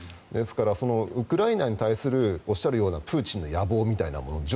ですからウクライナに対するおっしゃるようなプーチンの野望みたいなもの